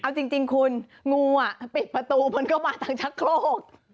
เอาจริงคุณงูอ่ะปิดประตูมันก็มาทางชักโครก